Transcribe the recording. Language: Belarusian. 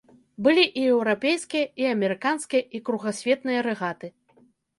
Былі і еўрапейскія, і амерыканскія, і кругасветныя рэгаты.